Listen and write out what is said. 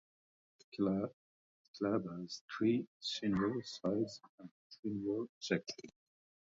The club has three senior sides and a junior section.